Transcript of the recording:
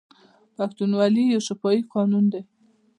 پښتونولي یو شفاهي قانون دی.